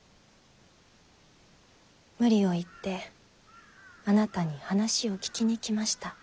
無理を言ってあなたに話を聞きに来ました。